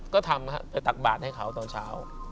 ก็ทำฮะแต่ตักบาทให้เขาตอนเสาร์